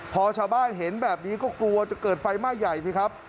พอชาวบ้านเห็นแบบนี้ก็กลัวจะเกิดไฟไหม้ใหญ่สิครับ